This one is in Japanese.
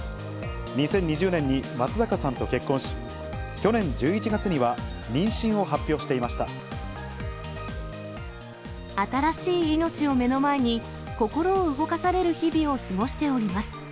２０２０年に松坂さんと結婚し、去年１１月には妊娠を発表してい新しい命を目の前に、心を動かされる日々を過ごしております。